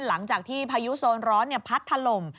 หลังจากที่พายุโซนร้อนพัดถล่ม